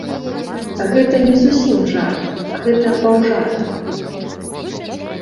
Гэта не зусім жарт, гэта паўжартам.